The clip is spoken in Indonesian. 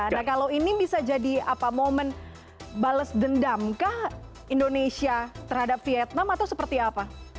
nah kalau ini bisa jadi momen bales dendamkah indonesia terhadap vietnam atau seperti apa